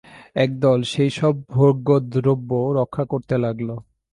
একদল সেই সব ভোগ্যদ্রব্য রক্ষা করতে লাগল।